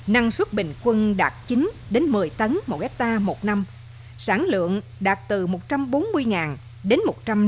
năng suất bình quân đạt chín một mươi tấn một hectare một năm sản lượng đạt từ một trăm bốn mươi đến một trăm năm mươi